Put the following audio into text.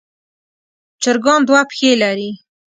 چرګان دوه پښې لري.